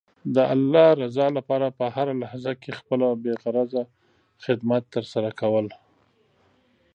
د الله رضا لپاره په هره لحظه کې خپله بې غرضه خدمت ترسره کول.